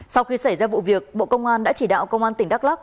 sau khi xảy ra vụ việc bộ công an đã chỉ đạo công an tỉnh đắk lắc